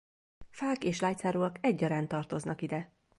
Fák és lágyszárúak egyaránt tartoznak ide.